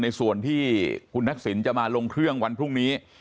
ในส่วนที่คุณทักษิณจะมาลงเครื่องวันพรุ่งนี้